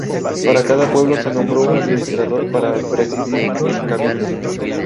Para cada pueblo se nombró un administrador para presidir el cabildo.